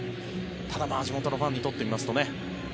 ただ、地元のファンにとってみますとね。